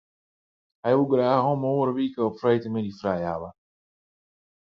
Hy woe graach om 'e oare wike op freedtemiddei frij hawwe.